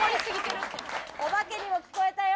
お化けにも聞こえたよ